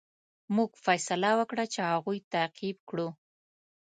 موږ فیصله وکړه چې هغوی تعقیب کړو.